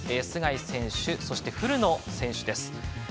須貝選手、そして古野選手です。